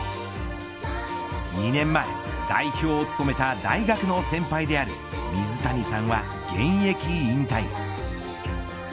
２年前代表を務めた大学の先輩である水谷さんは現役引退。